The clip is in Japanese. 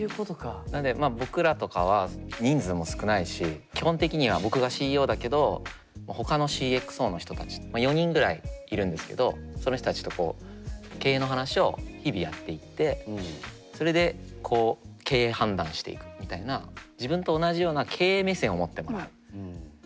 なんでまあ僕らとかは人数も少ないし基本的には僕がＣＥＯだけどほかのＣｘＯの人たち４人ぐらいいるんですけどその人たちとこう経営の話を日々やっていってそれでこう経営判断していくみたいなへえ。